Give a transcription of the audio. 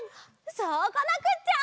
そうこなくっちゃ！